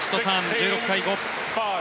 １６対５。